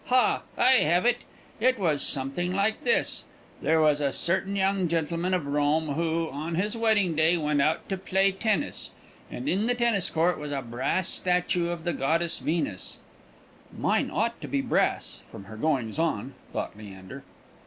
Ha! I have it! It was something like this: There was a certain young gentleman of Rome who, on his wedding day, went out to play tennis; and in the tennis court was a brass statue of the goddess Venus " ("Mine ought to be brass, from her goings on," thought Leander.)